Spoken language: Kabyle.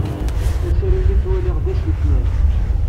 Asaru-nni ttwaliɣ-t d asneknay.